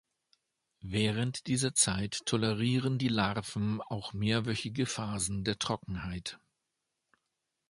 Während dieser Zeit tolerieren die Larven auch mehrwöchige Phasen der Trockenheit.